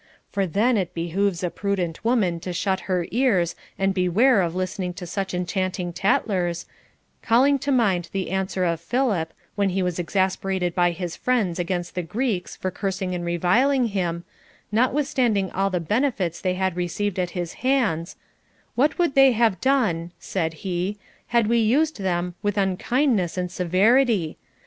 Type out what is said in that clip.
For then it behooves a prudent woman to shut her ears and beware of listening to such enchanting tattlers, calling to mind the answer of Philip, when he was exasperated by his friends against the Greeks for cursing and reviling him, notwithstanding all the benefits they had received at his hands : What would they have done, said he, had we used them with unkindness and severity'?